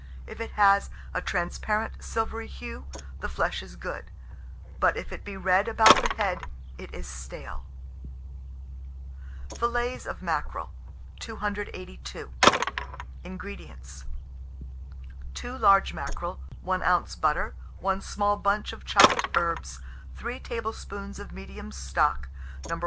If it have a transparent, silvery hue, the flesh is good; but if it be red about the head, it is stale. FILLETS OF MACKEREL. 282. INGREDIENTS. 2 large mackerel, 1 oz. butter, 1 small bunch of chopped herbs, 3 tablespoonfuls of medium stock, No.